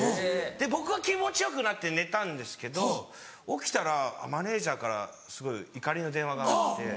僕は気持ちよくなって寝たんですけど起きたらマネジャーからすごい怒りの電話があって。